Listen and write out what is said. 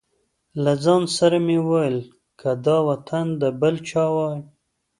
له ځان سره مې وویل که دا وطن د بل چا وای.